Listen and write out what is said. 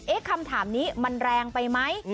คำถามนี้มันแรงไปไหม